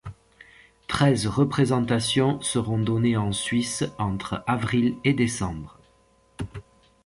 Treize représentations seront données en Suisse entre avril et décembre.